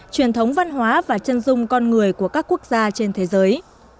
truyền thống văn hóa và chân dung con người của các quốc gia trên thế giới